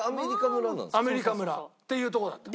アメリカ村っていうとこだったの。